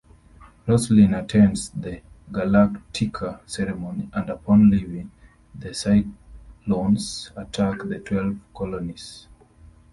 Roslin attends the "Galactica" ceremony, and upon leaving, the Cylons attack the Twelve Colonies.